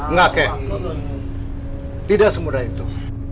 enggak kek tidak semudah itu